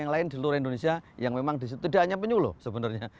yang lain di seluruh indonesia yang memang di situ tidak hanya penyu loh sebenarnya